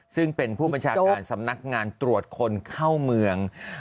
ซึ่งเป็นผู้บัญชาการสำนักงานตรวจคนเข้าเมือง